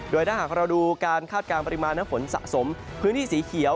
โดยถ้าหากเราดูการคาดการณ์ปริมาณน้ำฝนสะสมพื้นที่สีเขียว